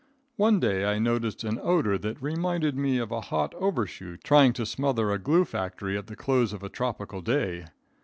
One day I noticed an odor that reminded me of a hot overshoe trying to smother a glue factory at the close of a tropical day.